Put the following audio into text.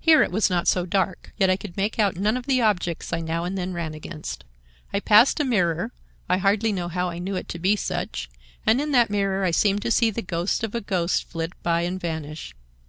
"Here it was not so dark; yet I could make out none of the objects I now and then ran against. I passed a mirror (I hardly know how I knew it to be such), and in that mirror I seemed to see the ghost of a ghost flit by and vanish.